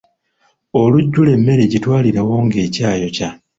Olujjula emmere gitwalirewo nga ekyayokya.